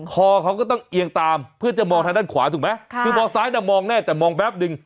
คอเขาก็ต้องเอียงตามเพื่อจะมองทางด้านขวาถูกไหมคือมองซ้ายน่ะมองแน่แต่มองแป๊บนึง